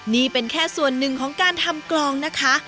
นี่เป็นแค่ส่วนหนึ่งของการทำกลองนะคะ